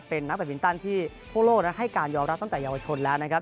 เป็นนักปริบินตรรที่พวกโลกนั้นให้การยอมรับตั้งแต่เยาวชนแล้วนะครับ